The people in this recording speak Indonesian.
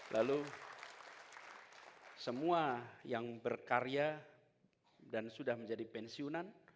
lalu semua yang berkarya dan sudah menjadi pensiunan